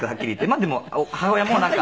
「まあでも母親もなんか」